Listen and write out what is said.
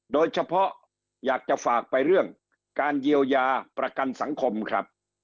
โดยเฉพาะอยากจะฝากไปเรื่องการเยียวยาประกันสังคมครับ